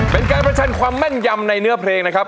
เป็นการประชันความแม่นยำในเนื้อเพลงนะครับ